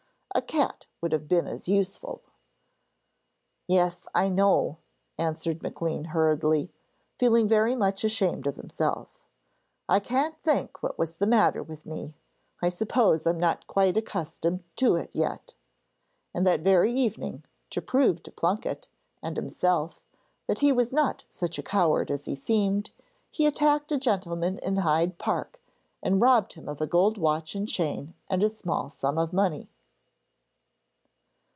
A cat would have been as useful.' 'Yes, I know,' answered Maclean hurriedly, feeling very much ashamed of himself. 'I can't think what was the matter with me I suppose I'm not quite accustomed to it yet.' And that very evening, to prove to Plunket and himself that he was not such a coward as he seemed, he attacked a gentleman in Hyde Park and robbed him of a gold watch and chain and a small sum of money.